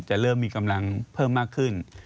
จะเริ่มมีกำลังเพิ่มมากขึ้น